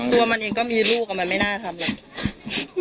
ตัวมันเองก็มีรูปอ่ะมันไม่น่าทำเลย